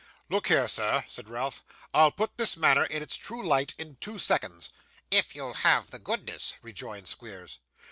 'Look here, sir,' said Ralph; 'I'll put this matter in its true light in two seconds.' 'If you'll have the goodness,' rejoined Squeers.